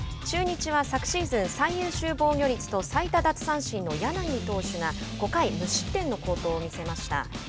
中日は、昨シーズン最優秀防御率と最多奪三振の柳投手が、５回無失点の好投を見せました。